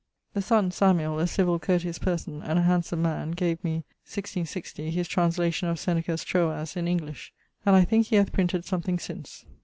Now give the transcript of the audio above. The son (Samuel), a civil courteous person, and a handsome man; gave me (1660) his translation of Seneca's Troas in English; and I think he hath printed something since.